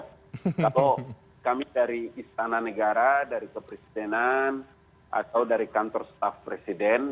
kalau kami dari istana negara dari kepresidenan atau dari kantor staff presiden